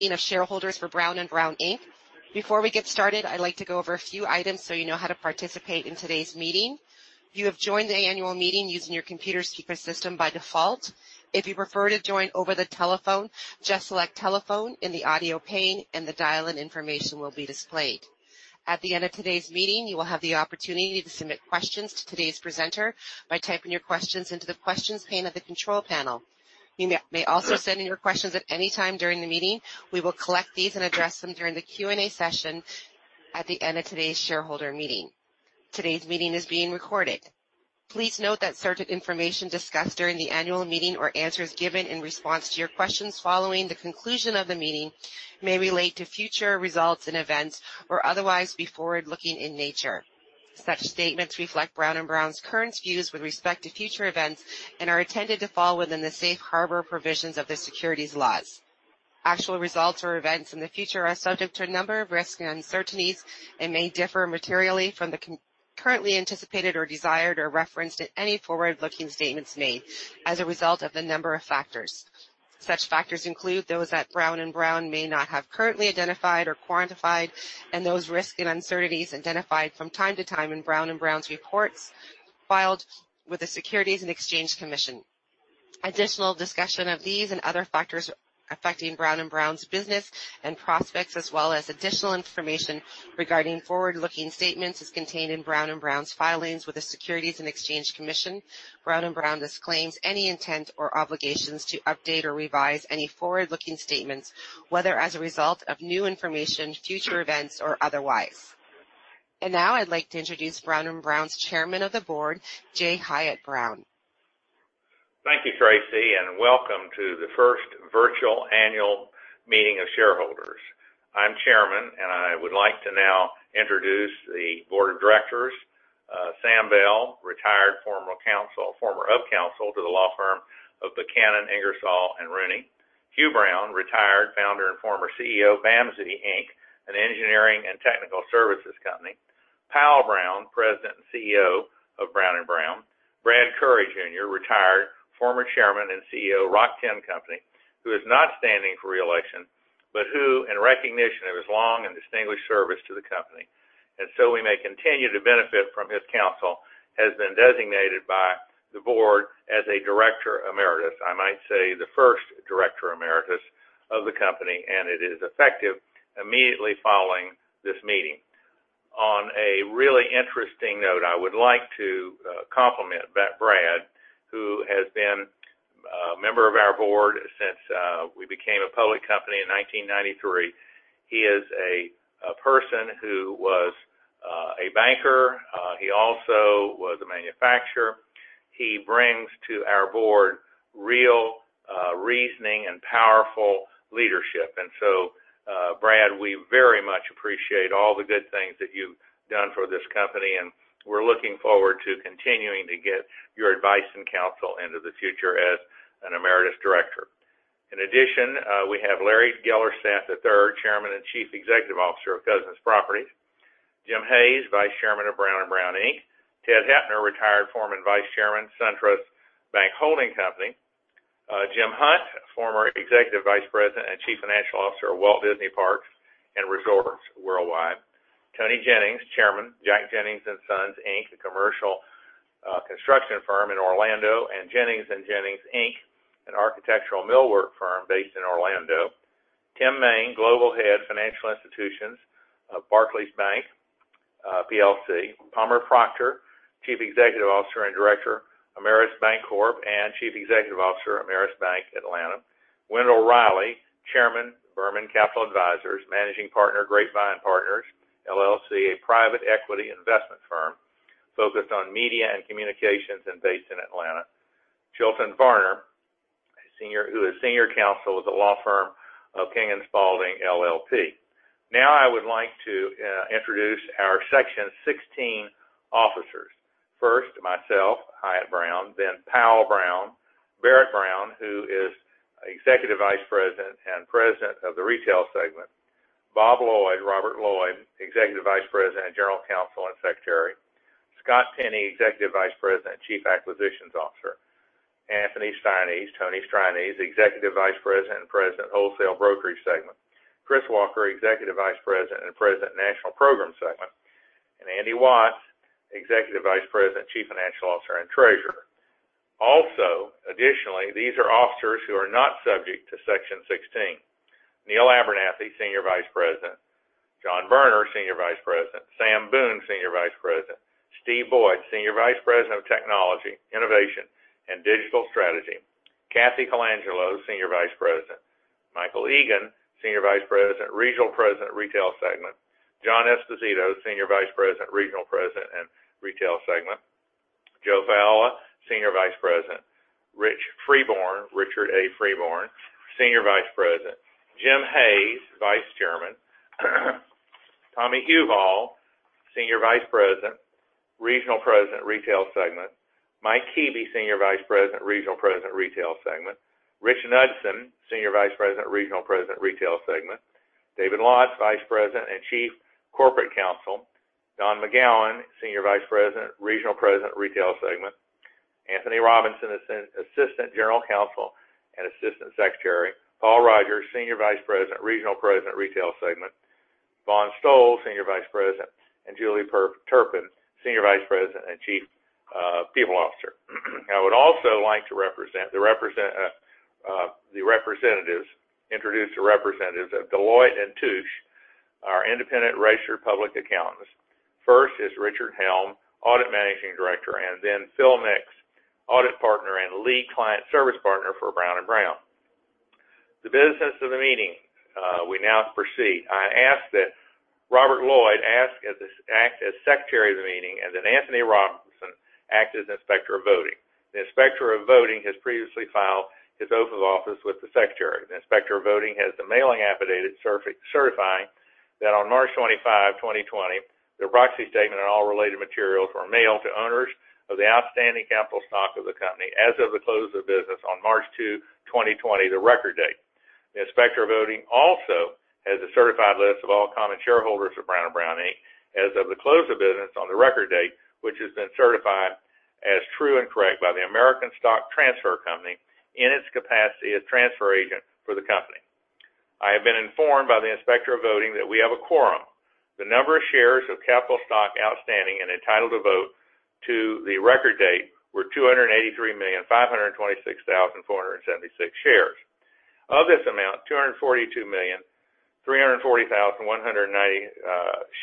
of shareholders for Brown & Brown, Inc. Before we get started, I'd like to go over a few items so you know how to participate in today's meeting. You have joined the annual meeting using your computer's speaker system by default. If you prefer to join over the telephone, just select telephone in the audio pane and the dial-in information will be displayed. At the end of today's meeting, you will have the opportunity to submit questions to today's presenter by typing your questions into the questions pane of the control panel. You may also send in your questions at any time during the meeting. We will collect these and address them during the Q&A session at the end of today's shareholder meeting. Today's meeting is being recorded. Please note that certain information discussed during the annual meeting or answers given in response to your questions following the conclusion of the meeting may relate to future results and events or otherwise be forward-looking in nature. Such statements reflect Brown & Brown's current views with respect to future events and are intended to fall within the safe harbor provisions of the securities laws. Actual results or events in the future are subject to a number of risks and uncertainties and may differ materially from the currently anticipated or desired or referenced in any forward-looking statements made as a result of a number of factors. Such factors include those that Brown & Brown may not have currently identified or quantified and those risks and uncertainties identified from time to time in Brown & Brown's reports filed with the Securities and Exchange Commission. Additional discussion of these and other factors affecting Brown & Brown's business and prospects as well as additional information regarding forward-looking statements is contained in Brown & Brown's filings with the Securities and Exchange Commission. Brown & Brown disclaims any intent or obligations to update or revise any forward-looking statements, whether as a result of new information, future events or otherwise. Now I'd like to introduce Brown & Brown's Chairman of the Board, J. Hyatt Brown. Thank you, Tracy, welcome to the first virtual annual meeting of shareholders. I'm Chairman. I would like to now introduce the board of directors. Sam Bell, retired former Of Counsel to the law firm of Buchanan Ingersoll & Rooney. Hugh Brown, retired founder and former CEO, BAMSI, Inc., an engineering and technical services company. Powell Brown, President and CEO of Brown & Brown. Brad Currey, Jr., retired former Chairman and CEO, Rock-Tenn Company, who is not standing for re-election, but who, in recognition of his long and distinguished service to the company, and so we may continue to benefit from his counsel, has been designated by the board as a Director Emeritus. I might say the first Director Emeritus of the company. It is effective immediately following this meeting. On a really interesting note, I would like to compliment Brad, who has been a member of our board since we became a public company in 1993. He is a person who was a banker. He also was a manufacturer. He brings to our board real reasoning and powerful leadership. Brad, we very much appreciate all the good things that you've done for this company, and we're looking forward to continuing to get your advice and counsel into the future as an emeritus director. In addition, we have Larry Gellerstedt III, Chairman and Chief Executive Officer of Cousins Properties. Jim Hays, Vice Chairman of Brown & Brown, Inc. Ted Hoepner, retired former Vice Chairman, SunTrust Bank Holding Company. Jim Hunt, former Executive Vice President and Chief Financial Officer of Walt Disney Parks and Resorts Worldwide. Toni Jennings, Chairman, Jack Jennings & Sons, Inc., a commercial construction firm in Orlando, and Jennings & Jennings Inc., an architectural millwork firm based in Orlando. Tim Main, Global Head, Financial Institutions of Barclays Bank PLC. Palmer Proctor, Chief Executive Officer and Director, Ameris Bancorp, and Chief Executive Officer, Ameris Bank, Atlanta. Wendell Reilly, Chairman, Berman Capital Advisors, Managing Partner, Grapevine Partners, LLC, a private equity investment firm focused on media and communications and based in Atlanta. Chilton Varner, who is Senior Counsel with the law firm of King & Spalding LLP. I would like to introduce our Section 16 Officers. First, myself, Hyatt Brown, then Powell Brown. Barrett Brown, who is Executive Vice President and President of the Retail Segment. Bob Lloyd, Robert Lloyd, Executive Vice President and General Counsel and Secretary. Scott Penny, Executive Vice President and Chief Acquisitions Officer. Anthony Strianese, Tony Strianese, Executive Vice President and President, Wholesale Brokerage Segment. Chris Walker, Executive Vice President and President, National Programs Segment, and Andy Watts, Executive Vice President, Chief Financial Officer, and Treasurer. Also, additionally, these are officers who are not subject to Section 16. Neal Abernathy, Senior Vice President. John Berner, Senior Vice President. Sam Boone, Senior Vice President. Steve Boyd, Senior Vice President of Technology, Innovation, and Digital Strategy. Kathy Colangelo, Senior Vice President. Michael Egan, Senior Vice President, Regional President, Retail Segment. John Esposito, Senior Vice President, Regional President, and Retail Segment. Joe Failla, Senior Vice President. Rich Freebourn, Richard A. Freebourn, Senior Vice President. Jim Hays, Vice Chairman. Tommy Huval, Senior Vice President, Regional President, Retail Segment. Mike Keeby, Senior Vice President, Regional President, Retail Segment. Rich Knudson, Senior Vice President, Regional President, Retail Segment. David Lotz, Vice President and Chief Corporate Counsel. Don McGowan, Senior Vice President, Regional President, Retail Segment. Anthony Robinson, Assistant General Counsel and Assistant Secretary. Paul Rogers, Senior Vice President, Regional President, Retail Segment. Vaughn Stoll, Senior Vice President, and Julie Turpin, Senior Vice President and Chief People Officer. I would also like to introduce the representatives of Deloitte & Touche, our independent registered public accountants. First is Richard Helm, Audit Managing Director, and then Phil Mix, Audit Partner and Lead Client Service Partner for Brown & Brown. The business of the meeting. We now proceed. I ask that Robert Lloyd act as Secretary of the meeting, and that Anthony Robinson act as Inspector of Voting. The Inspector of Voting has previously filed his oath of office with the Secretary. The Inspector of Voting has the mailing affidavit certifying that on March 25, 2020, the proxy statement and all related materials were mailed to owners of the outstanding capital stock of the company as of the close of business on March 2, 2020, the record date. The Inspector of Voting also has a certified list of all common shareholders of Brown & Brown, Inc. as of the close of business on the record date, which has been certified as true and correct by the American Stock Transfer Company in its capacity as transfer agent for the company. I have been informed by the Inspector of Voting that we have a quorum. The number of shares of capital stock outstanding and entitled to vote to the record date were 283,526,476 shares. Of this amount, 242,340,190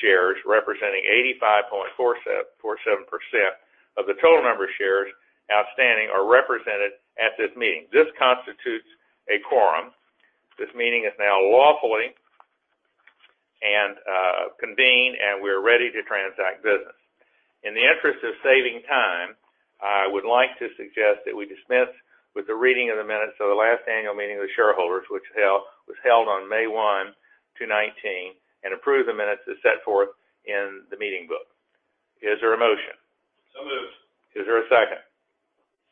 shares, representing 85.47% of the total number of shares outstanding, are represented at this meeting. This constitutes a quorum. This meeting is now lawfully convened, and we are ready to transact business. In the interest of saving time, I would like to suggest that we dismiss with the reading of the minutes of the last annual meeting of the shareholders, which was held on May 1, 2019, and approve the minutes as set forth in the meeting book. Is there a motion? So moved. Is there a second?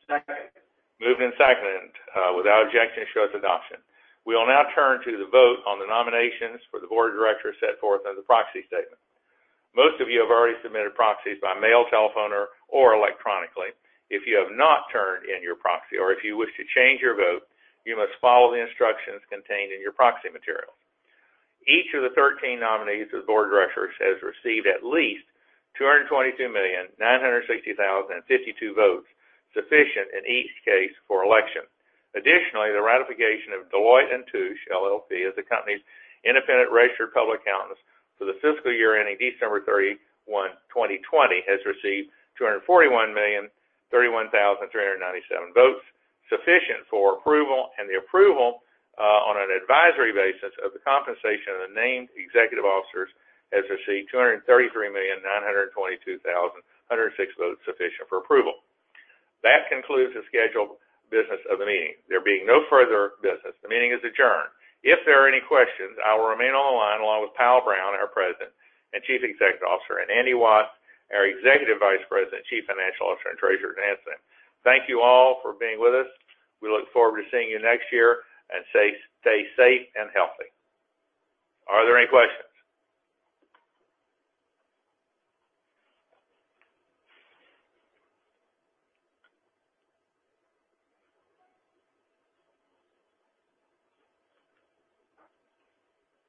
Second. Moved and second. Without objection, shows adoption. We will now turn to the vote on the nominations for the board of directors set forth in the proxy statement. Most of you have already submitted proxies by mail, telephone, or electronically. If you have not turned in your proxy or if you wish to change your vote, you must follow the instructions contained in your proxy materials. Each of the 13 nominees for board of directors has received at least 222,960,052 votes, sufficient in each case for election. Additionally, the ratification of Deloitte & Touche LLP, as the company's independent registered public accountants for the fiscal year ending December 31, 2020, has received 241,031,397 votes, sufficient for approval, and the approval on an advisory basis of the compensation of the named executive officers has received 233,922,106 votes, sufficient for approval. That concludes the scheduled business of the meeting. There being no further business, the meeting is adjourned. If there are any questions, I will remain on the line, along with Powell Brown, our President and Chief Executive Officer, and Andy Watts, our Executive Vice President, Chief Financial Officer, and Treasurer. Thank you all for being with us. We look forward to seeing you next year, and stay safe and healthy. Are there any questions?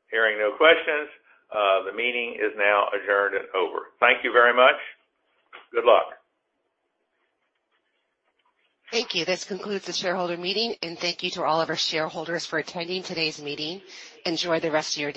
Hearing no questions, the meeting is now adjourned and over. Thank you very much. Good luck. Thank you. This concludes the shareholder meeting. Thank you to all of our shareholders for attending today's meeting. Enjoy the rest of your day.